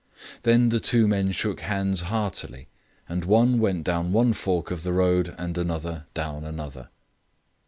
Then the two men shook hands heartily, and one went down one fork of the road and one down another.